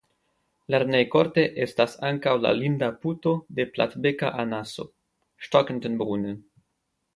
Lernejkorte estas ankaŭ la linda Puto de platbeka anaso (Stockentenbrunnen).